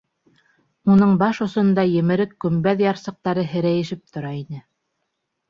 Уның баш осонда емерек көмбәҙ ярсыҡтары һерәйешеп тора ине.